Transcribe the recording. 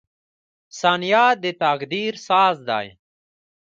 • ثانیه د تقدیر ساز دی.